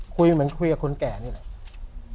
คุยเหมือนคุยกับคนแก่นี่แหละ